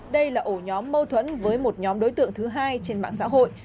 đây là ổ nhóm mâu thuẫn với một nhóm đối tượng thứ hai trên mạng xã hội